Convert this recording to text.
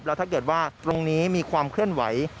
แล้วถ้าเกิดว่าตรงนี้มีความเคลื่อนไหว